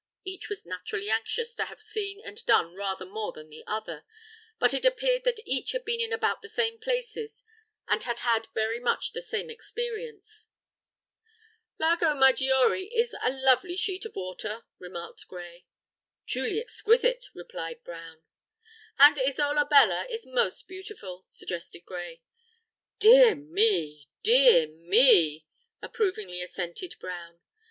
Each was naturally anxious to have seen and done rather more than the other; but it appeared that each had been in about the same places, and had had very much the same experience. "Lago Maggiore is a lovely sheet of water," remarked Gray. "Truly exquisite," replied Brown. "And Isola Bella is most beautiful," suggested Gray. "Dear me! dear me!" approvingly assented Brown.